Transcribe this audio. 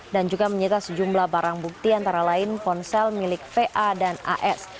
dan juga menyita sejumlah barang bukti antara lain ponsel milik va dan as